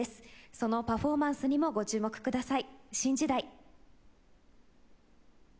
そのパフォーマンスにもご注目ください。